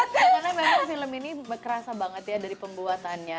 karena memang film ini kerasa banget ya dari pembuatannya